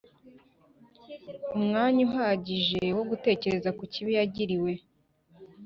umwanya uhagije wo gutekereza ku kibi yagiriwe